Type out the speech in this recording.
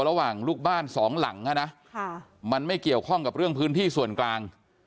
ระหว่างลูกบ้านสองหลังมันไม่เกี่ยวข้องกับเรื่องพื้นที่ส่วนกลาง